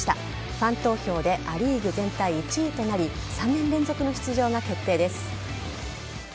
ファン投票でア・リーグ全体１位となり３年連続の出場が決定です。